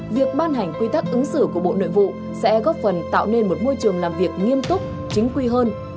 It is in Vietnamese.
việc ban hành quy tắc ứng xử của bộ nội vụ sẽ góp phần tạo nên một môi trường làm việc nghiêm túc chính quy hơn